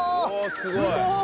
すごい！